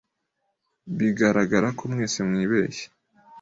Bigaragara ko mwese mwibeshye.